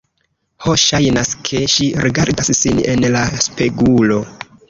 Ho, ŝajnas, ke ŝi rigardas sin en la spegulo